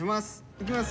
いきます。